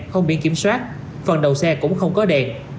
không biển kiểm soát phần đầu xe cũng không có đèn